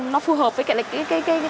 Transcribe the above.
nó phù hợp với cái lịch kỳ này